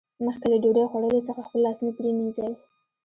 مخکې له ډوډۍ خوړلو څخه خپل لاسونه پرېمینځئ